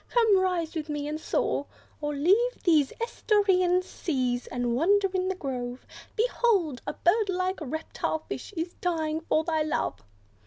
Come, rise with me, and soar, Or leave these estuarian seas, and wander in the grove; Behold! a bird like reptile fish is dying for thy love!"